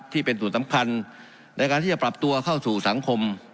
ที่เป็นส่วนสำคัญในการที่จะปรับตัวเข้าสู่สังคม